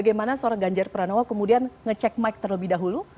karena seorang ganjar pranowo kemudian ngecek mic terlebih dahulu